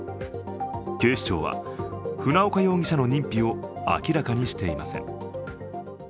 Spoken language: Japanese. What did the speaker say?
警視庁は船岡容疑者の認否を明らかにしていません。